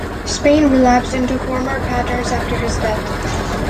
Spain relapsed into former patterns after his death.